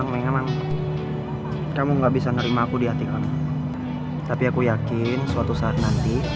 nggak gitu kok maksudnya